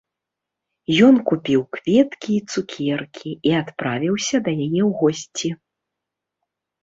Ён купіў кветкі і цукеркі і адправіўся да яе ў госці.